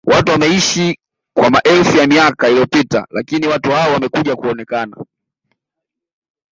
watu wameishi kwa maelfu ya miaka iliyopita lakini watu hao wamekuja kuonekana